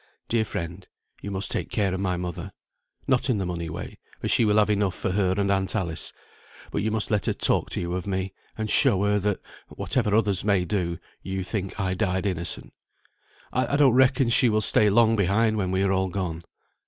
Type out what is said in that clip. Dear friend, you must take care of my mother. Not in the money way, for she will have enough for her and Aunt Alice; but you must let her talk to you of me; and show her that (whatever others may do) you think I died innocent. I don't reckon she will stay long behind when we are all gone.